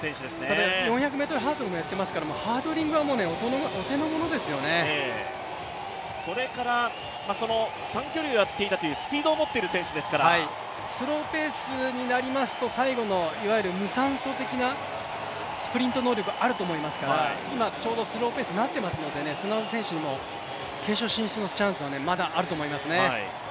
ただ、４００ｍハードルもやっていますから、ハードリングはもうそれから短距離をやっていたという、スピードを持っている選手ですからスローペースになりますと、最後のいわゆる無酸素的なスプリント能力はあると思いますから今、ちょうどスローペースになっていますので、砂田選手にも決勝進出のチャンスはまだあると思いますね。